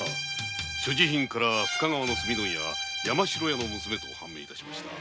所持品から深川の炭問屋山城屋の娘とわかりました。